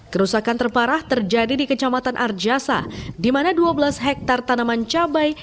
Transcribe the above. kerusakan terparah terjadi di kecamatan arjasa di mana dua belas hektare tanaman cabai